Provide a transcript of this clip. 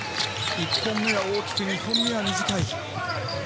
１本目は大きく、２本目は短い。